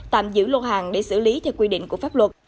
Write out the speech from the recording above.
tạm giữ lô hàng để xử lý theo quy định của pháp luật